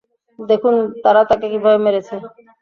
দেখুন তারা তাকে কিভাবে মেরেছে!